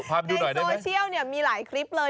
พาไปดูหน่อยได้ไหมฮะในโซเชียลเนี่ยมีหลายคลิปเลย